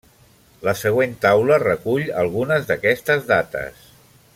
La següent taula recull algunes d'aquestes dates.